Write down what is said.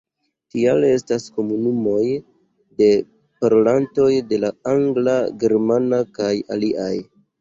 Tial estas komunumoj de parolantoj de la angla, germana kaj aliaj.